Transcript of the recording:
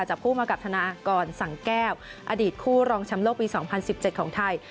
คู่มากับธนากรสังแก้วอดีตคู่รองแชมป์โลกปี๒๐๑๗ของไทย